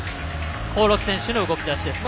興梠選手の動き出しですね。